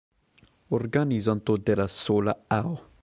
Organizanto de la sola Aŭ.